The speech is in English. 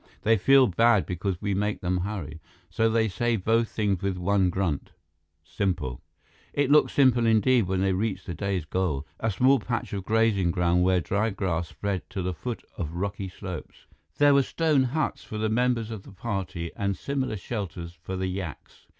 They feel bad because we make them hurry. So they say both things with one grunt. Simple." It looked simple indeed when they reached the day's goal, a small patch of grazing ground where dried grass spread to the foot of rocky slopes. There were stone huts for the members of the party and similar shelters for the yaks.